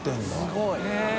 すごい。